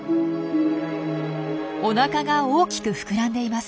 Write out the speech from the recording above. おなかが大きく膨らんでいます。